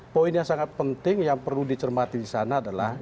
poin yang sangat penting yang perlu dicermati di sana adalah